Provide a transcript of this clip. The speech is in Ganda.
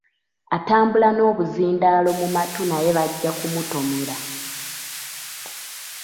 Atambula n’obuzindaalo mu matu naye bajja kumutomera.